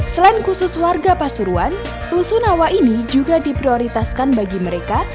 selain khusus warga pasuruan rusunawa ini juga diprioritaskan bagi mereka